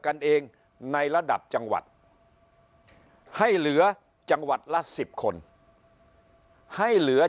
กันเองในระดับจังหวัดให้เหลือจังหวัดละ๑๐คนให้เหลือ